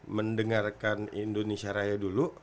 mendengarkan indonesia raya dulu